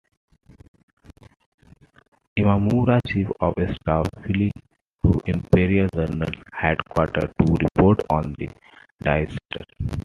Imamura's chief of staff flew to Imperial General Headquarters to report on the disaster.